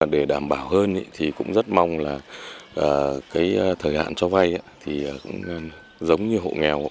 để đảm bảo hơn thì cũng rất mong là thời hạn cho vai giống như hộ nghèo